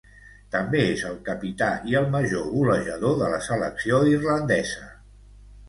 També és el capità i el major golejador de la selecció irlandesa.